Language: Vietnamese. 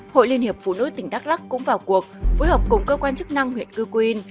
hội liên hiệp phụ nữ tỉnh đắk lắc cũng vào cuộc phối hợp cùng cơ quan chức năng huyện cư quyên